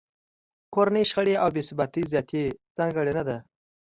کورنۍ شخړې او بې ثباتۍ ذاتي ځانګړنه ده